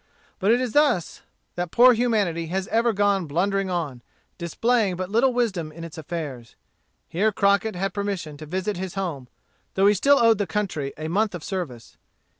But it is thus that poor humanity has ever gone blundering on, displaying but little wisdom in its affairs. Here Crockett had permission to visit his home, though he still owed the country a month of service.